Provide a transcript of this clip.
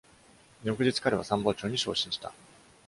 翌日、彼は参謀長に昇進した。